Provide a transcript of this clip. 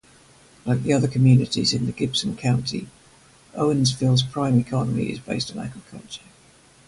Like the other communities in Gibson County, Owensville's prime economy is based on agriculture.